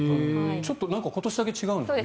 ちょっと今年だけ違うんだよね。